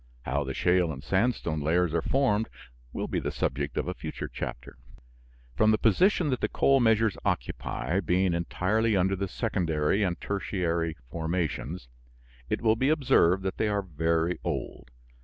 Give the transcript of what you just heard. How the shale and sandstone layers are formed will be the subject of a future chapter. From the position that the coal measures occupy, being entirely under the Secondary and Tertiary formations, it will be observed that they are very old.